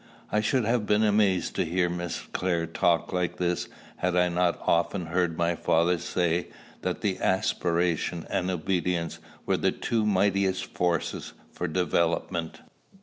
I should have been amazed to hear Miss Clare talk like this, had I not often heard my father say that aspiration and obedience were the two mightiest forces for development.